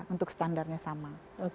untuk standarnya sama